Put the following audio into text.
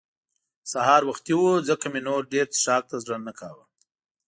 سهار وختي وو ځکه مې نو ډېر څښاک ته زړه نه کاوه.